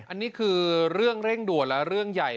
อันนี้คือเรื่องเร่งด่วนและเรื่องใหญ่